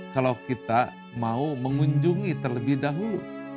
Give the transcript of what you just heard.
kalau kita mau mengunjungi terlebih dahulu